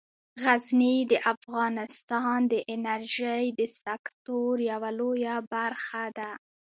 غزني د افغانستان د انرژۍ د سکتور یوه لویه برخه ده.